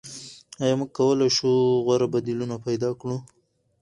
آیا موږ کولای شو غوره بدیلونه پیدا کړو؟